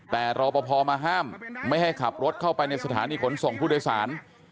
แต่รอปภมาห้ามไม่ให้ขับรถเข้าไปในสถานีขนส่งผู้โดยสาร